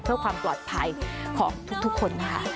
เพื่อความปลอดภัยของทุกคนนะคะ